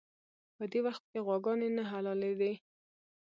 په دې وخت کې غواګانې نه حلالېدلې.